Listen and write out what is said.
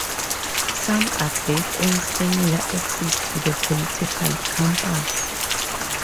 Some are based on similar axes to the Political Compass.